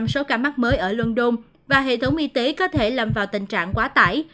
số ca mắc mới ở london và hệ thống y tế có thể lầm vào tình trạng quá tải